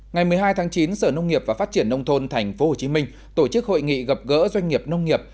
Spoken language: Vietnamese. ngày một mươi hai tháng chín sở nông nghiệp và phát triển nông thôn tp hcm tổ chức hội nghị gặp gỡ doanh nghiệp nông nghiệp